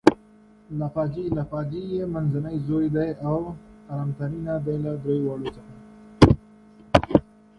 Laphiji - Laphiji is the middle son and the quiet one of the three.